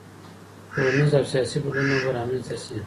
ټولنيز او سياسي بدلونونه به رامنځته سي.